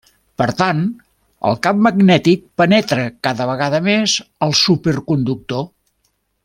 Per tant, el camp magnètic penetra cada vegada més al superconductor.